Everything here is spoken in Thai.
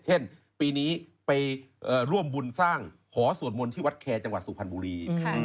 เช่นปีนี้ไปร่วมบุญสร้างขอสวดมนต์ที่วัดแคร์จังหวัดสุพรรณบุรี